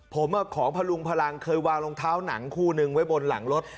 ผมของพลุงพลังเคยวางรองเท้าหนังคู่นึงไว้บนหลังรถ